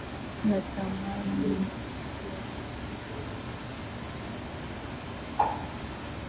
na thamani ya siku nzima Kijiji cha medieval